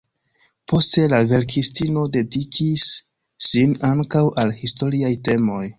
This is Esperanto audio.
Poste, la verkistino dediĉis sin ankaŭ al historiaj temoj.